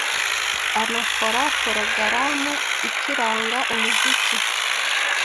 anakora porogaramu icuranga umuziki